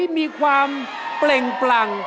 มีความเปล่งปลั่ง